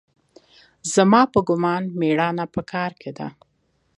زما په ګومان مېړانه په کار کښې ده.